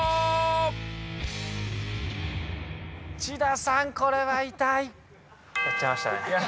千田さんこれは痛い！